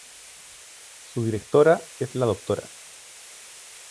Su directora es la Dra.